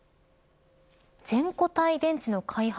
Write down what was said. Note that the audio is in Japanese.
全固体電池の開発